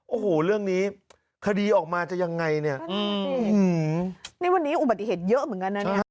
โอ้โหเรื่องนี้คดีออกมาจะยังไงเนี่ยนี่วันนี้อุบัติเหตุเยอะเหมือนกันนะเนี่ย